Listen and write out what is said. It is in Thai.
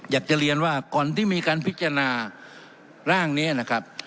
อยากจะเรียนว่าก่อนที่มีการพิจารณาร่างนี้นะครับ